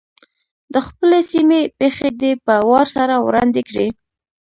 د خپلې سیمې پېښې دې په وار سره وړاندي کړي.